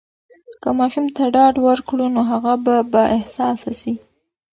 که ماشوم ته ډاډ ورکړو، نو هغه به بااحساسه سي.